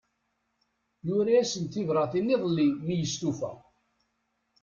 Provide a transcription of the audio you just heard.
Yura-asent tibratin iḍelli mi yestufa.